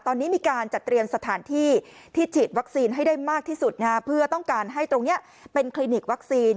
ตอนนี้มีการจัดเตรียมสถานที่ที่ฉีดวัคซีนให้ได้มากที่สุดเพื่อต้องการให้ตรงนี้เป็นคลินิกวัคซีน